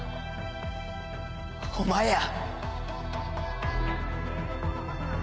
お前や。